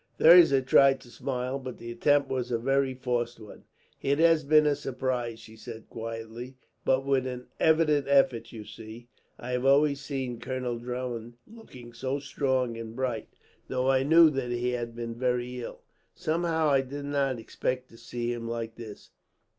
Thirza tried to smile, but the attempt was a very forced one. "It has been a surprise," she said quietly, but with an evident effort. "You see, I have always seen Colonel Drummond looking so strong and bright. Though I knew that he had been very ill, somehow I did not expect to see him like this."